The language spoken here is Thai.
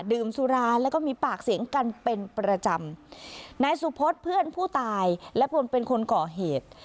ดื่มสุราแล้วก็มีปากเสียงกันเป็นประจำนายสุพศเพื่อนผู้ตายและพลเป็นคนก่อเหตุ